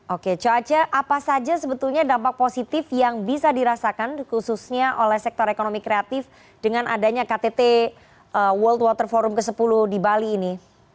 oke coace apa saja sebetulnya dampak positif yang bisa dirasakan khususnya oleh sektor ekonomi kreatif dengan adanya ktt world water forum ke sepuluh di bali ini